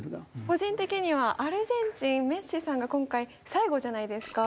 個人的にはアルゼンチンメッシさんが今回最後じゃないですか。